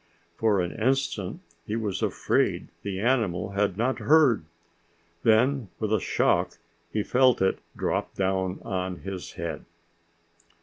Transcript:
For an instant he was afraid the animal had not heard. Then, with a shock, he felt it drop down on his head.